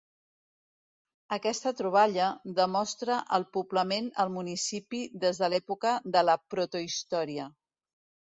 Aquesta troballa demostra el poblament al municipi des de l'època de la protohistòria.